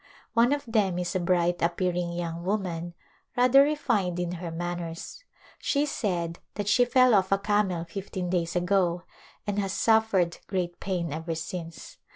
One of them is a bright ap pearing young woman rather refined in her manners ; she said that she fell oiF a camel fifteen days ago and has suffered great pain ever since.